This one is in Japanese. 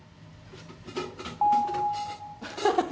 アハハハ。